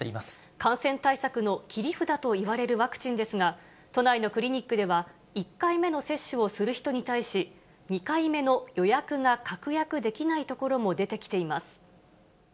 感染対策の切り札といわれるワクチンですが、都内のクリニックでは、１回目の接種をする人に対し、２回目の予約が確約できないところも出てきています。